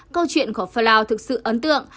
câu chuyện của falao thực sự ấn tượng